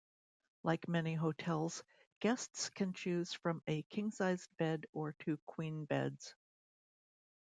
Like many hotels, guests can choose from a king-sized bed or two queen beds.